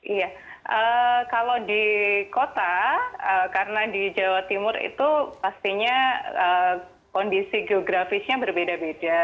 iya kalau di kota karena di jawa timur itu pastinya kondisi geografisnya berbeda beda